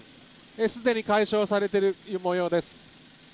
すでに解消されている模様です。